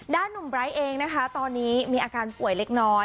หนุ่มไบร์ทเองนะคะตอนนี้มีอาการป่วยเล็กน้อย